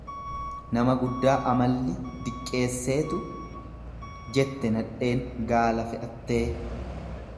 """Nama guddaa amalli diqqeesseetuu!"" jette nadheen gaala fe'attee."